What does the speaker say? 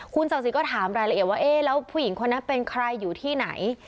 คุณศักดิ์สิทธิ์ก็ถามรายละเอียดว่าเอ๊ะแล้วผู้หญิงคนนั้นเป็นใครอยู่ที่ไหน